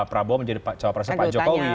prabowo menjadi cawapresnya pak jokowi